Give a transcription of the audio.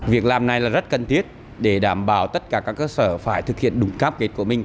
việc làm này là rất cần thiết để đảm bảo tất cả các cơ sở phải thực hiện đúng cam kết của mình